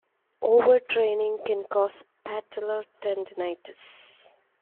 Overtraining can cause patellar tendinitis.